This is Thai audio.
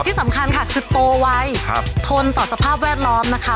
ที่สำคัญค่ะคือโตไวทนต่อสภาพแวดล้อมนะคะ